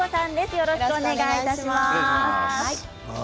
よろしくお願いします。